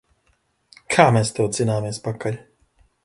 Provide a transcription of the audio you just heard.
Kā mēs tev dzināmies pakaļ!